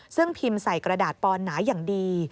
ซึ่งพิมพ์ใส่กระดาษปอนหนาอย่างดี